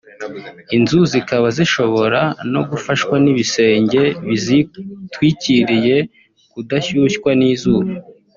inzu zikaba zishobora no gufashwa n’ibisenge bizitwikiriye kudashyushywa n’izuba